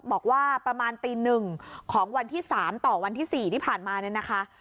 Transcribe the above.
บอกว่าประมาณตี๑ของวันที่๓ต่อวันที่๔ที่ผ่านมาเนี่ยนะคะ